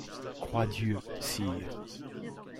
Croix-Dieu! sire !